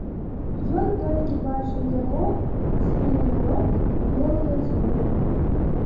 Ён толькі бачыў яго ўспенены рот і белыя зубы.